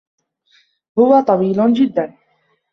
هو طويل جدّا.